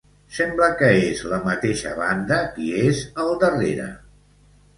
Sembla que és la mateixa banda qui és al darrera.